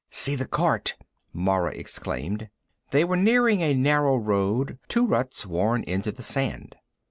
"See the cart!" Mara exclaimed. They were nearing a narrow road, two ruts worn into the sand.